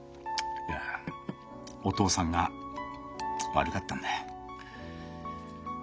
いやお父さんが悪かったんだよ。